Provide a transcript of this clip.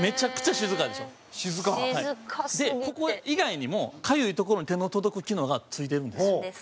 水田：ここ以外にもかゆい所に手の届く機能がついてるんですよ。